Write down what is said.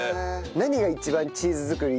何が一番チーズ作り